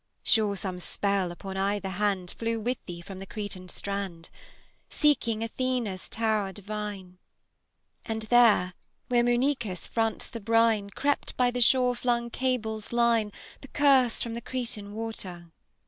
Sure some spell upon either hand Flew with thee from the Cretan strand, Seeking Athena's tower divine; And there, where Munychus fronts the brine, Crept by the shore flung cables' line, The curse from the Cretan water!